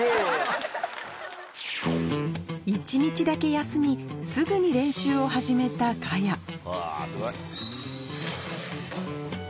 一日だけ休みすぐに練習を始めた萱ホントに。